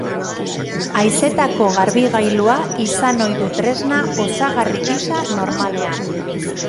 Haizetako-garbigailua izan ohi du tresna osagarri gisa normalean.